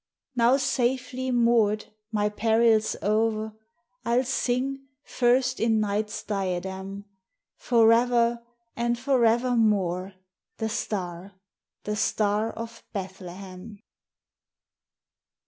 Now safely moored, my perils o'er, I'll sing, first in night's diadem, Forever and forevermore. The Star!— the Star of Bethlehem!